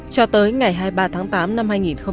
cho tới ngày hai mươi ba tháng tám năm hai nghìn hai mươi